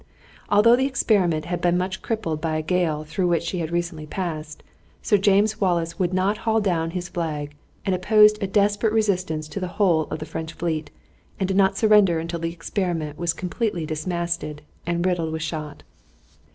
Although the Experiment had been much crippled by a gale through which she had recently passed, Sir James Wallace would not haul down his flag and opposed a desperate resistance to the whole of the French fleet, and did not surrender until the Experiment was completely dismasted and riddled with shot.